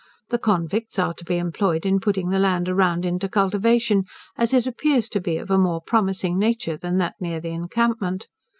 The convicts are to be employed in putting the land around into cultivation, as it appears to be of a more promising nature than that near the encampment.